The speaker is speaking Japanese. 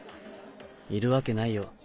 いるわけないよ